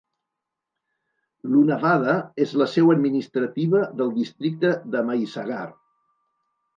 Lunawada és la seu administrativa del districte de Mahisagar.